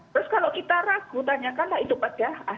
terus kalau kita ragu tanyakanlah itu pada